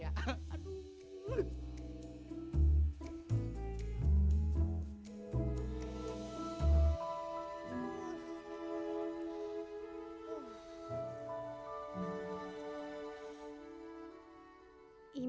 terus kup hardships